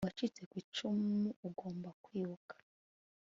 Uwacitse ku icumu ugomba kwibuka